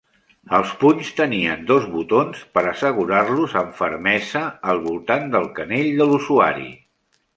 Els punys tenien dos botons per assegurar-los amb fermesa al voltant del canell de l'usuari.